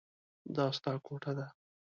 دا ستا کوټه ده.